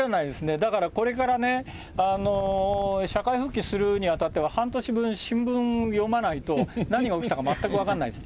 だからこれからね、社会復帰するにあたっては、半年分、新聞読まないと、何が起きたか全く分からないです。